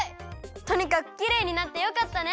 とにかくきれいになってよかったね！